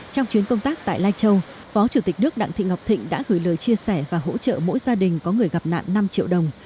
trong chuyến công tác tại lai châu phó chủ tịch nước đặng thị ngọc thịnh đã gửi lời chia sẻ và hỗ trợ mỗi gia đình có người gặp nạn năm triệu đồng